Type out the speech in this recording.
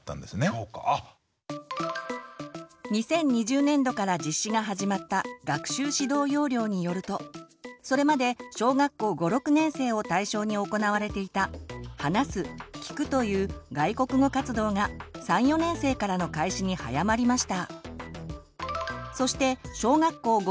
２０２０年度から実施が始まった学習指導要領によるとそれまで小学校５６年生を対象に行われていた「話す」「聞く」という「外国語活動」が３４年生からの開始に早まりました。